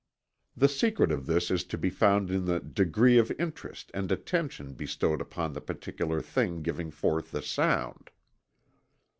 The secret of this is to be found in the degree of interest and attention bestowed upon the particular thing giving forth the sound.